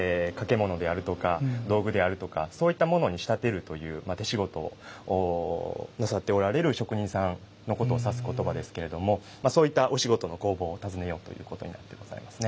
物であるとか道具であるとかそういったものに仕立てるという手仕事をなさっておられる職人さんのことを指す言葉ですけれどもそういったお仕事の工房を訪ねようということになってございますね。